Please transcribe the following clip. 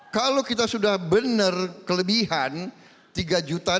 kalau kita sudah benar kelebihan tiga juta